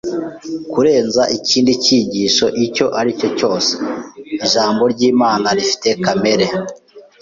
Kurenza ikindi cyigisho icyo ari cyo cyose, ijambo ry’Imana rifite kamere